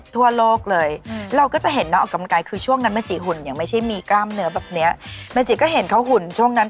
แต่พอมันเลย๓๔๓๕นี่มันเริ่มเจ๋ง